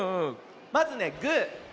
まずねグー。